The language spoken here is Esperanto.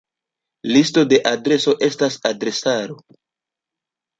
Listo de adresoj estas adresaro.